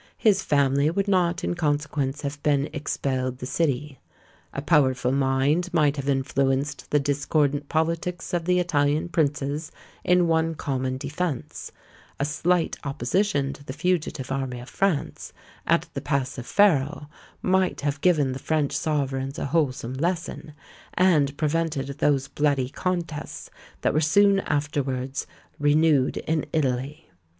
His family would not in consequence have been expelled the city; a powerful mind might have influenced the discordant politics of the Italian princes in one common defence; a slight opposition to the fugitive army of France, at the pass of Faro, might have given the French sovereigns a wholesome lesson, and prevented those bloody contests that were soon afterwards renewed in Italy.